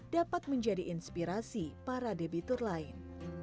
dapat menjadi inspirasi para debitur lain